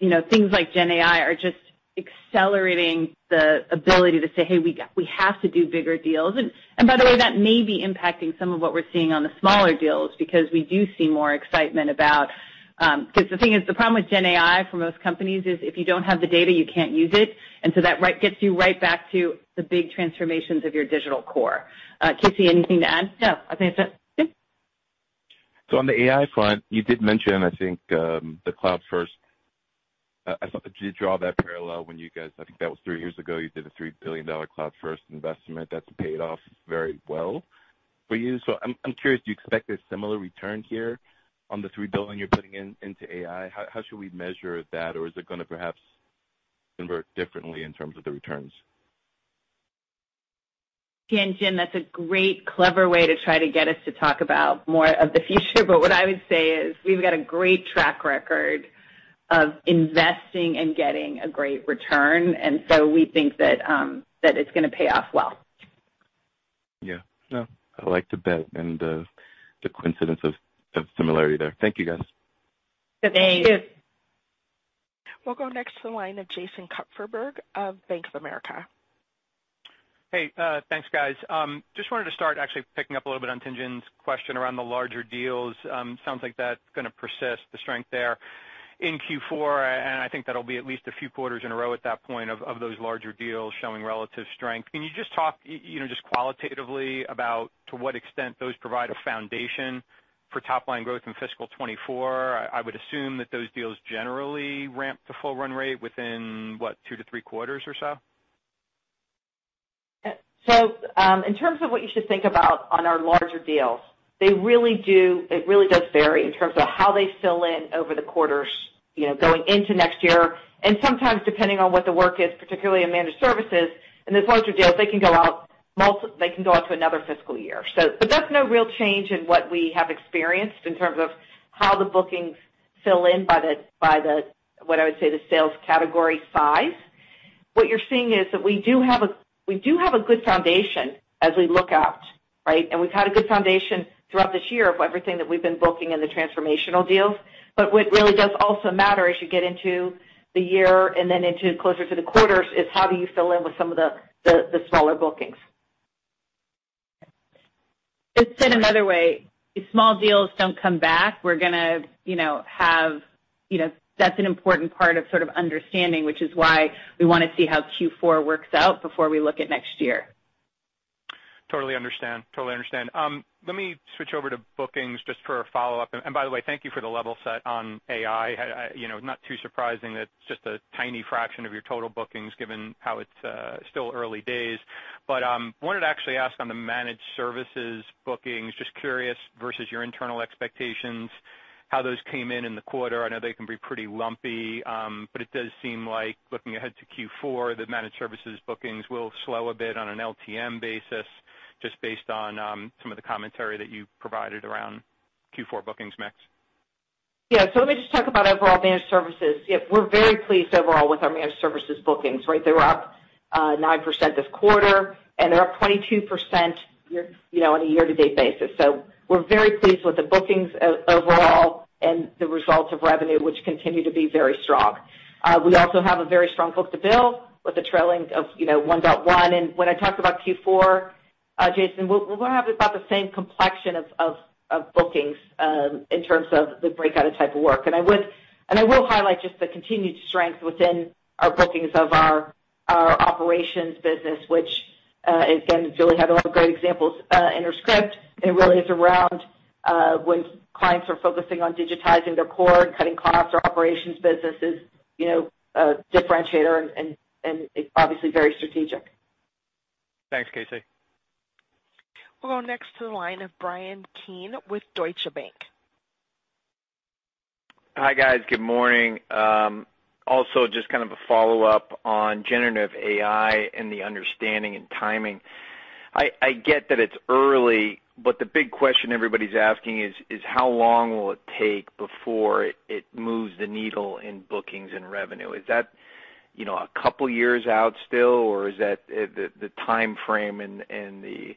you know, things like gen AI are just accelerating the ability to say, "Hey, we have to do bigger deals." And by the way, that may be impacting some of what we're seeing on the smaller deals, because we do see more excitement about... Because the thing is, the problem with gen AI for most companies is if you don't have the data, you can't use it. That gets you right back to the big transformations of your digital core. KC, anything to add? No, I think that's it. On the AI front, you did mention, I think, the cloud-first. You draw that parallel when you guys, I think that was three years ago, you did a $3 billion cloud-first investment. That's paid off very well for you. I'm curious, do you expect a similar return here on the $3 billion you're putting into AI? How should we measure that? Is it going to perhaps convert differently in terms of the returns? Tien-Tsin, that's a great, clever way to try to get us to talk about more of the future. What I would say is we've got a great track record of investing and getting a great return, and so we think that it's gonna pay off well. Yeah. No, I like the bet and the coincidence of similarity there. Thank you, guys. Thanks. Thank you. We'll go next to the line of Jason Kupferberg of Bank of America. Hey, thanks, guys. Just wanted to start actually picking up a little bit on Tien-Tsin's question around the larger deals. Sounds like that's going to persist, the strength there in Q4. I think that'll be at least a few quarters in a row at that point of those larger deals showing relative strength. Can you just talk, you know, just qualitatively about to what extent those provide a foundation for top line growth in fiscal 2024? I would assume that those deals generally ramp to full run rate within, what, 2-3 quarters or so? In terms of what you should think about on our larger deals, it really does vary in terms of how they fill in over the quarters, you know, going into next year. Sometimes, depending on what the work is, particularly in managed services, in those larger deals, they can go out to another fiscal year. But that's no real change in what we have experienced in terms of how the bookings fill in by the, what I would say, the sales category size. What you're seeing is that we do have a good foundation as we look out, right? We've had a good foundation throughout this year of everything that we've been booking in the transformational deals. What really does also matter as you get into the year and then into closer to the quarters, is how do you fill in with some of the smaller bookings? Just said another way, if small deals don't come back, we're going to, you know, have, you know, that's an important part of sort of understanding, which is why we wanna see how Q4 works out before we look at next year. Totally understand. Totally understand. Let me switch over to bookings just for a follow-up. By the way, thank you for the level set on AI. You know, not too surprising that it's just a tiny fraction of your total bookings, given how it's still early days. Wanted to actually ask on the managed services bookings, just curious, versus your internal expectations, how those came in in the quarter. I know they can be pretty lumpy, but it does seem like looking ahead to Q4, the managed services bookings will slow a bit on an LTM basis, just based on some of the commentary that you provided around Q4 bookings mix. Yeah. Let me just talk about overall managed services. Yep, we're very pleased overall with our managed services bookings, right? They were up 9% this quarter, and they're up 22%, you know, on a year-to-date basis. We're very pleased with the bookings overall and the results of revenue, which continue to be very strong. We also have a very strong book-to-bill with a trailing of, you know, 1.1. When I talk about Q4, Jason, we're gonna have about the same complexion of bookings in terms of the breakout of type of work. I will highlight just the continued strength within our bookings of our operations business, which again, Julie had a lot of great examples in her script. It really is around, when clients are focusing on digitizing their core and cutting costs or operations businesses, you know, a differentiator, and it's obviously very strategic. Thanks, KC. We'll go next to the line of Bryan Keane with Deutsche Bank. Hi, guys. Good morning. Also, just kind of a follow-up on generative AI and the understanding and timing. I get that it's early, but the big question everybody's asking is: How long will it take before it moves the needle in bookings and revenue? Is that, you know, a couple years out still, or is that the time frame and the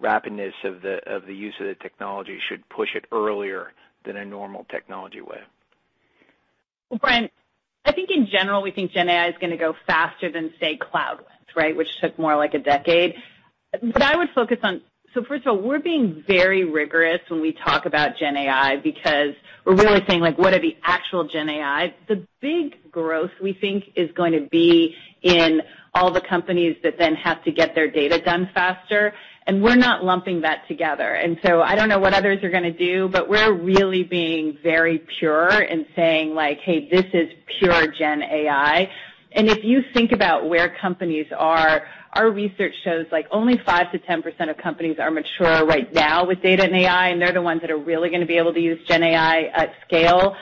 rapidness of the use of the technology should push it earlier than a normal technology would? Bryan, I think in general, we think gen AI is going to go faster than, say, cloud, right, which took more like a decade. I would focus on. First of all, we're being very rigorous when we talk about gen AI because we're really saying, like, what are the actual gen AI? The big growth, we think, is going to be in all the companies that then have to get their data done faster, and we're not lumping that together. I don't know what others are going to do, but we're really being very pure in saying, like, "Hey, this is pure gen AI." If you think about where companies are, our research shows, like, only 5%-10% of companies are mature right now with data and AI, and they're the ones that are really going to be able to use gen AI at scale.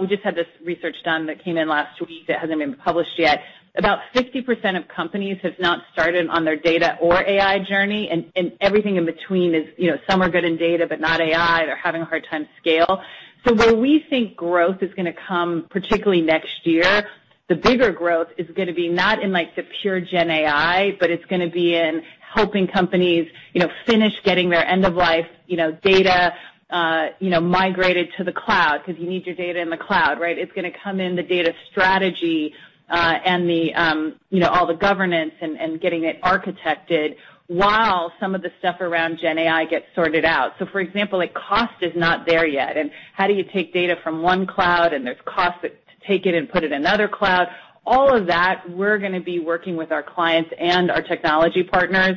We just had this research done that came in last week that hasn't been published yet. About 50% of companies have not started on their data or AI journey, and everything in between is, you know, some are good in data, but not AI. They're having a hard time scale. Where we think growth is going to come, particularly next year, the bigger growth is going to be not in like the pure gen AI, but it's going to be in helping companies, you know, finish getting their end-of-life, data, you know, migrated to the cloud because you need your data in the cloud, right? It's going to a come in the data strategy, and the, you know, all the governance and getting it architected while some of the stuff around gen AI gets sorted out. For example, like, cost is not there yet, and how do you take data from one cloud, and there's costs to take it and put it in another cloud? All of that, we're going to be working with our clients and our technology partners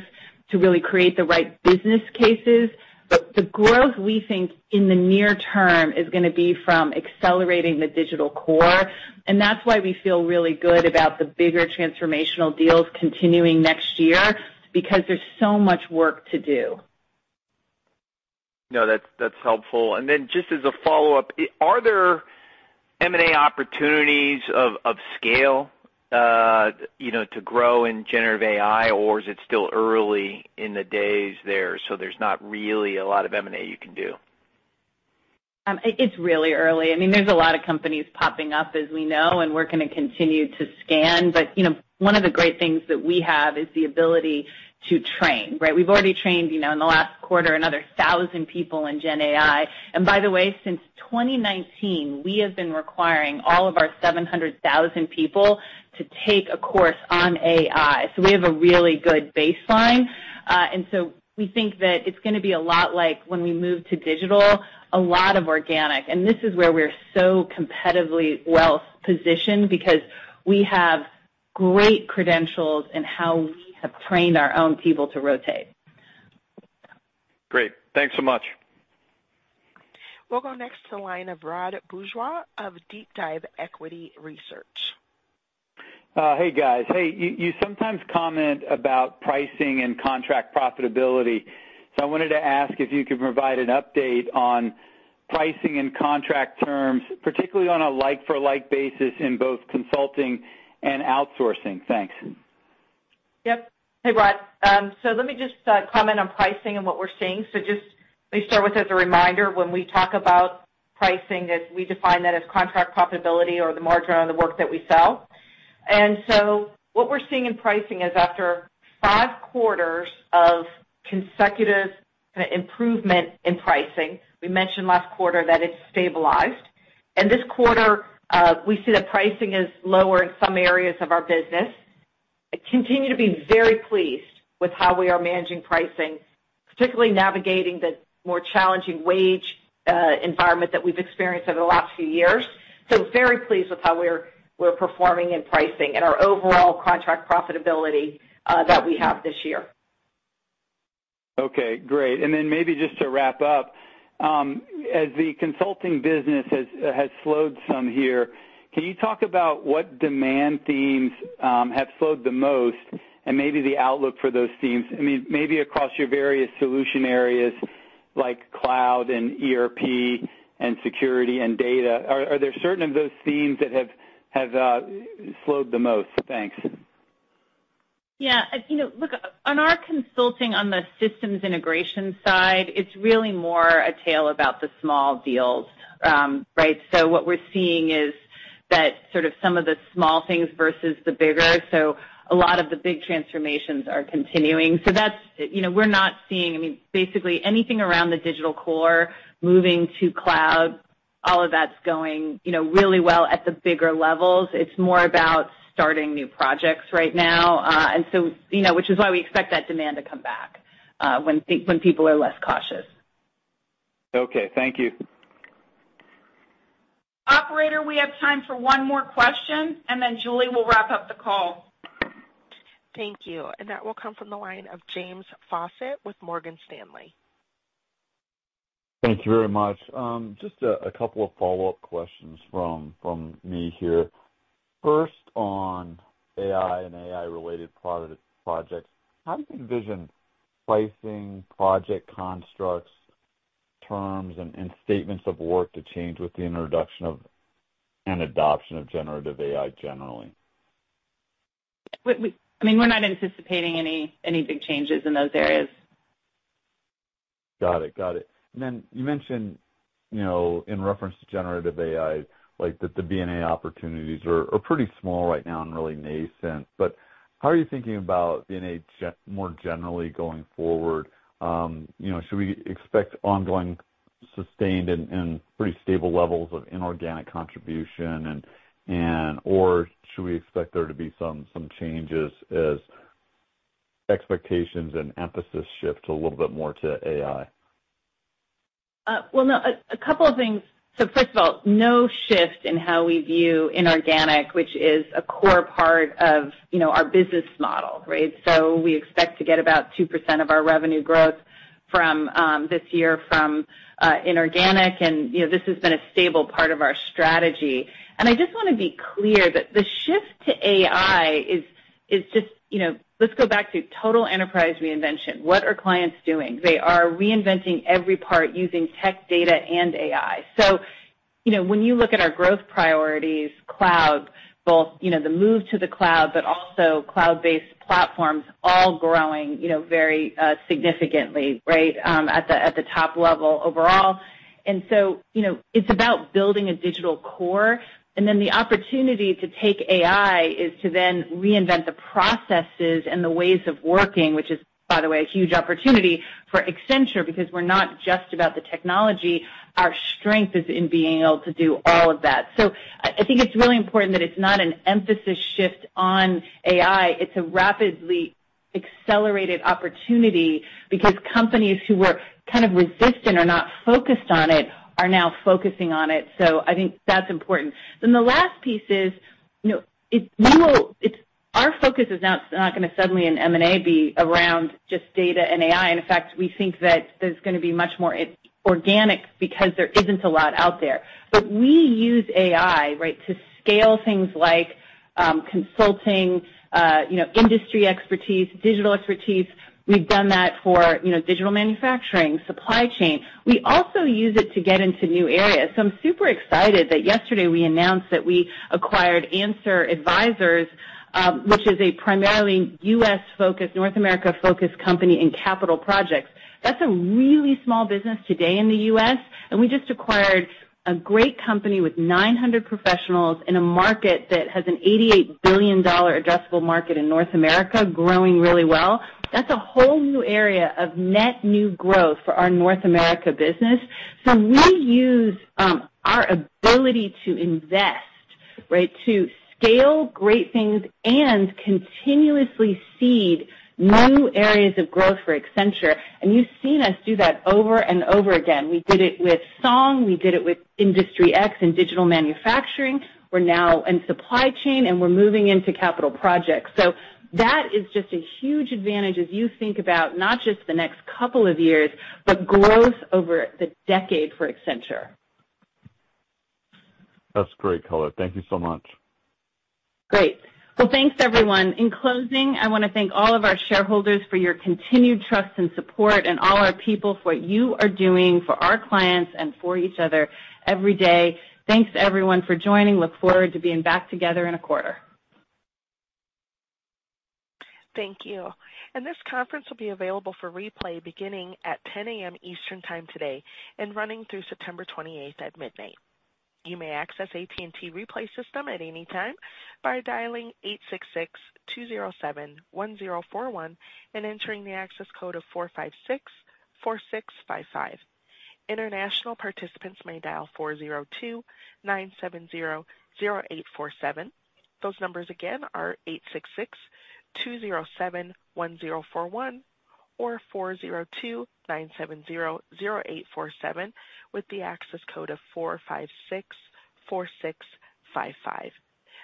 to really create the right business cases. The growth, we think, in the near term is going to be from accelerating the digital core, and that's why we feel really good about the bigger transformational deals continuing next year, because there's so much work to do. No, that's helpful. Just as a follow-up, are there M&A opportunities of scale, you know, to grow in generative AI, or is it still early in the days there's not really a lot of M&A you can do? It's really early. I mean, there's a lot of companies popping up, as we know, and we're going to continue to scan. One of the great things that we have is the ability to train, right? We've already trained, you know, in the last quarter, another 1,000 people in gen AI. By the way, since 2019, we have been requiring all of our 700,000 people to take a course on AI. We have a really good baseline. We think that it's going to be a lot like when we move to digital, a lot of organic. This is where we're so competitively well positioned because we have great credentials in how we have trained our own people to rotate. Great. Thanks so much. We'll go next to the line of Rod Bourgeois of DeepDive Equity Research. Hey, guys. Hey, you sometimes comment about pricing and contract profitability. I wanted to ask if you could provide an update on pricing and contract terms, particularly on a like-for-like basis in both consulting and outsourcing. Thanks. Yep. Hey, Rod. Let me just comment on pricing and what we're seeing. Just let me start with as a reminder, when we talk about pricing, as we define that, as contract profitability or the margin on the work that we sell. What we're seeing in pricing is after five quarters of consecutive improvement in pricing, we mentioned last quarter that it's stabilized. This quarter, we see that pricing is lower in some areas of our business. I continue to be very pleased with how we are managing pricing, particularly navigating the more challenging wage environment that we've experienced over the last few years. Very pleased with how we're performing in pricing and our overall contract profitability that we have this year. Okay, great. Maybe just to wrap up, as the consulting business has slowed some here, can you talk about what demand themes have slowed the most and maybe the outlook for those themes? I mean, maybe across your various solution areas.... like cloud and ERP and security and data, are there certain of those themes that have slowed the most? Thanks. Yeah, you know, look, on our consulting on the systems integration side, it's really more a tale about the small deals. Right? What we're seeing is that sort of some of the small things versus the bigger. A lot of the big transformations are continuing. That's. You know, we're not seeing. I mean, basically anything around the digital core, moving to cloud, all of that's going, you know, really well at the bigger levels. It's more about starting new projects right now. you know, which is why we expect that demand to come back, when people are less cautious. Okay, thank you. Operator, we have time for one more question, and then Julie will wrap up the call. Thank you. That will come from the line of James Faucette with Morgan Stanley. Thank you very much. Just a couple of follow-up questions from me here. First, on AI and AI-related projects, how do you envision pricing, project constructs, terms, and statements of work to change with the introduction of and adoption of generative AI generally? We I mean, we're not anticipating any big changes in those areas. Got it. Got it. You mentioned, you know, in reference to generative AI, like, that the BNA opportunities are pretty small right now and really nascent, but how are you thinking about BNA more generally going forward? You know, should we expect ongoing, sustained, and pretty stable levels of inorganic contribution or should we expect there to be some changes as expectations and emphasis shift a little bit more to AI? Well, no, a couple of things. First of all, no shift in how we view inorganic, which is a core part of, you know, our business model, right? We expect to get about 2% of our revenue growth from this year from inorganic, and, you know, this has been a stable part of our strategy. I just want to be clear that the shift to AI is just, you know... Let's go back to total enterprise reinvention. What are clients doing? They are reinventing every part using tech data and AI. You know, when you look at our growth priorities, cloud, both, you know, the move to the cloud, but also cloud-based platforms, all growing, you know, very significantly, right? At the top level overall. You know, it's about building a digital core, and then the opportunity to take AI is to then reinvent the processes and the ways of working, which is, by the way, a huge opportunity for Accenture because we're not just about the technology. Our strength is in being able to do all of that. I think it's really important that it's not an emphasis shift on AI; it's a rapidly accelerated opportunity because companies who were kind of resistant or not focused on it, are now focusing on it. I think that's important. The last piece is, you know, our focus is not going to suddenly in M&A be around just data and AI. In fact, we think that there's going be much more organic because there isn't a lot out there. We use AI, right, to scale things like, you know, industry expertise, digital expertise. We've done that for, you know, digital manufacturing, supply chain. I'm super excited that yesterday we announced that we acquired Anser Advisory, which is a primarily US-focused, North America-focused company in capital projects. That's a really small business today in the US, and we just acquired a great company with 900 professionals in a market that has an $88 billion adjustable market in North America, growing really well. That's a whole new area of net new growth for our North America business. We use our ability to invest, right, to scale great things and continuously seed new areas of growth for Accenture, and you've seen us do that over and over again. We did it with Song, we did it with Industry X and digital manufacturing. We're now in supply chain, and we're moving into capital projects. That is just a huge advantage as you think about not just the next couple of years, but growth over the decade for Accenture. That's great, Julie. Thank you so much. Great. Well, thanks, everyone. In closing, I want to thank all of our shareholders for your continued trust and support and all our people for what you are doing for our clients and for each other every day. Thanks to everyone for joining. Look forward to being back together in a quarter. Thank you. This conference will be available for replay beginning at 10:00 A.M. Eastern Time today and running through September 28th at midnight. You may access AT&T Replay System at any time by dialing 866-207-1041 and entering the access code of 4564655. International participants may dial 402-970-0847. Those numbers again are 866-207-1041 or 402-970-0847, with the access code of 4564655.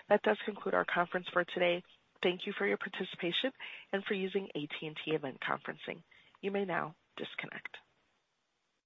That does conclude our conference for today. Thank you for your participation and for using AT&T Event Conferencing. You may now disconnect.